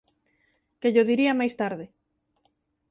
Que llo diría máis tarde.